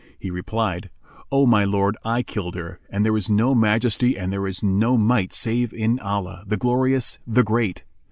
He replied, "O my lord! I killed her, and there is no Majesty and there is no Might save in Allah, the Glorious, the Great!"